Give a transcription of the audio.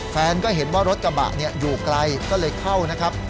แฟนก็เห็นว่ารถกระบะอยู่ไกลก็เลยเข้านะครับ